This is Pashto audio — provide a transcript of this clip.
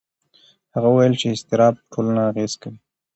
هغه وویل چې اضطراب په ټولنه اغېز کوي.